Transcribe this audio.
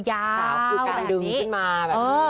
ยาวคือการดึงขึ้นมาแบบนี้